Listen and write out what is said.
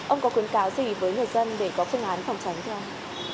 ông có khuyến cáo gì với người dân để có phương án phòng tránh theo